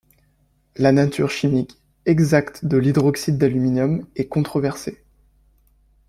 La nature chimique exacte de l'hydroxyde d'aluminium est controversée.